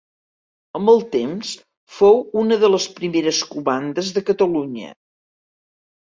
Amb el temps fou una de les primeres comandes de Catalunya.